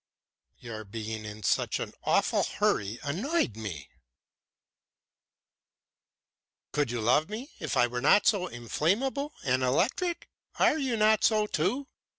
"Your being in such an awful hurry annoyed me." "Could you love me if I were not so inflammable and electric? Are you not so too?